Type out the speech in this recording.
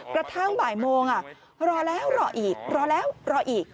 กระทั่งบ่ายโมงรอแล้วรออีกรอแล้วรออีก